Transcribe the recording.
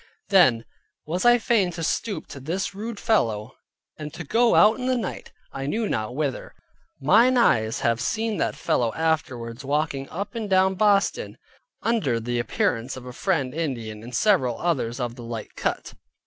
Then was I fain to stoop to this rude fellow, and to go out in the night, I knew not whither. Mine eyes have seen that fellow afterwards walking up and down Boston, under the appearance of a Friend Indian, and several others of the like cut.